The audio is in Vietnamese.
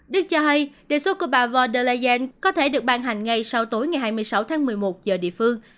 đức cho hay đề xuất của bà vo der leyen có thể được ban hành ngay sau tối ngày hai mươi sáu tháng một mươi một giờ địa phương